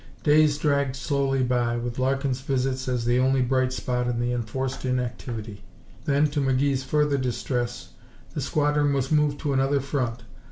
Days dragged slowly by, with Larkin's visits as the only bright spot in the enforced inactivity. Then, to McGee's further distress, the squadron was moved to another front.